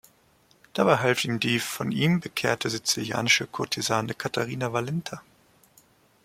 Dabei half ihm die von ihm bekehrte sizilianische Kurtisane Katharina Valenta.